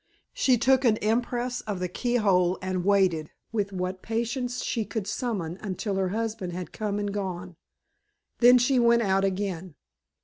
She took an impress of the keyhole and waited with what patience she could summon until her husband had come and gone. Then she went out again.